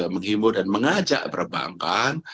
mengimbau dan mengajak perbankan